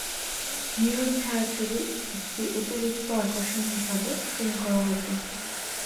নীরব ছায়াছবি একটি অতিরিক্ত আকর্ষণ হিসাবে স্ক্রিন করা হত।